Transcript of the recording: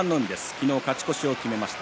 昨日、勝ち越しを決めました。